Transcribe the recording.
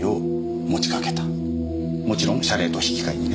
もちろん謝礼と引き換えにね。